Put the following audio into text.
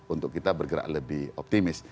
untuk kita bergerak lebih optimis